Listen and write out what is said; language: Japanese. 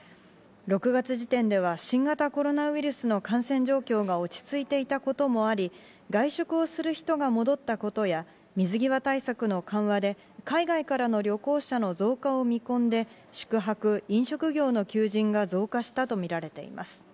６月時点では新型コロナウイルスの感染状況が落ち着いていたこともあり、外食をする人が戻ったことや水際対策の緩和で海外からの旅行者の増加を見込んで、宿泊・飲食業の求人が増加したとみられています。